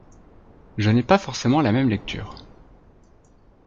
Je n’ai pas forcément la même lecture.